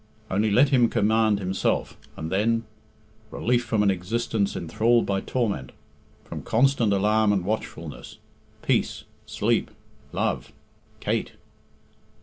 Only let him command himself, and then relief from an existence enthralled by torment from constant alarm and watchfulness peace sleep love Kate!